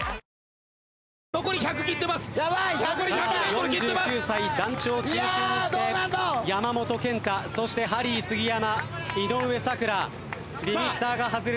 わかるぞ４９歳団長を中心にして山本賢太そしてハリー杉山井上咲楽リミッターが外れるその瞬間。